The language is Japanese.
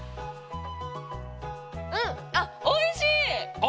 うんあっおいしい！